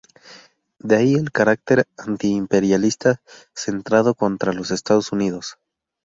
De ahí el carácter antiimperialista, centrado contra los Estados Unidos.